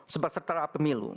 sebab setelah pemilu